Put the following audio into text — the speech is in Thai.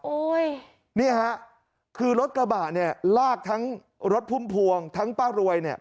นี่ฮะคือรถกระบะเนี่ยลากทั้งรถพุ่มพวงทั้งป้ารวยเนี่ย